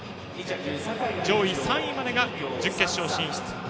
上位３位までが準決勝進出。